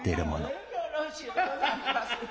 よろしゅうござりまする。